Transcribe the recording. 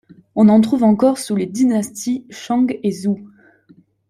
On en trouve encore sous les dynasties Shang et Zhou.